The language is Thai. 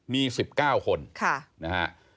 มี๑๙คนค่ะนะฮะ